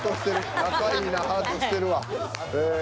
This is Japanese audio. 仲いいなハートしてるわ。